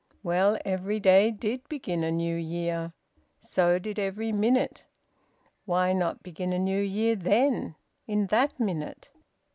Well, every day did begin a New Year! So did every minute. Why not begin a New Year then, in that minute?